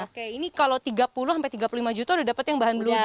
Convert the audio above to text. oke ini kalau tiga puluh sampai tiga puluh lima juta udah dapat yang bahan blue